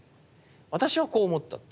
私はこう思ったって。